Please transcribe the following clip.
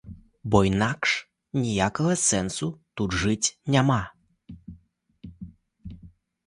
Бо інакш ніякага сэнсу тут жыць няма.